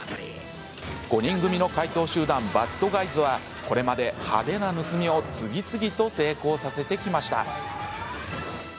５人組の怪盗集団バッドガイズはこれまで派手な盗みを次々と成功させてきました。